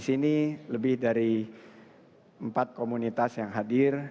kami lebih dari empat komunitas yang hadir